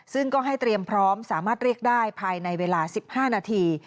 ซึ่งก็ให้เตรียมพร้อมสามารถเรียกได้ภายในเวลา๑๕นาที